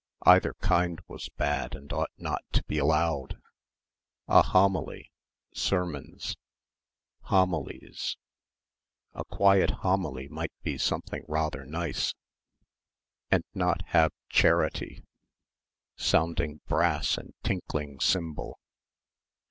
Either kind was bad and ought not to be allowed ... a homily ... sermons ... homilies ... a quiet homily might be something rather nice ... and have not Charity sounding brass and tinkling cymbal....